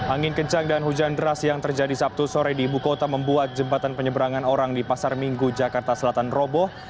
angin kencang dan hujan deras yang terjadi sabtu sore di ibu kota membuat jembatan penyeberangan orang di pasar minggu jakarta selatan roboh